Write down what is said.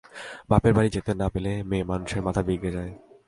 বাপের বাড়ি যেতে না পেলে মেয়েমানুষের মাথা বিগড়ে যায়।